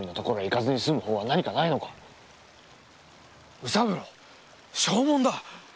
卯三郎証文だ！